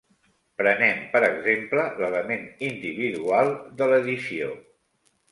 Prenem per exemple l'element individual de l'edició.